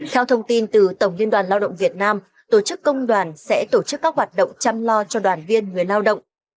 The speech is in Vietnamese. theo thông tin từ tổng liên đoàn lao động việt nam tổ chức công đoàn sẽ tổ chức các hoạt động chăm lo cho đoàn viên người lao động